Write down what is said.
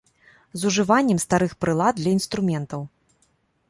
З ужываннем старых прылад для інструментаў.